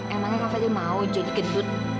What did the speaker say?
emangnya kak fadil mau jadi gedut